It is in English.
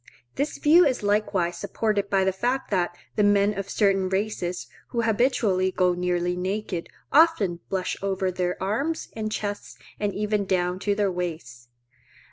This view is likewise supported by the fact that the men of certain races, who habitually go nearly naked, often blush over their arms and chests and even down to their waists.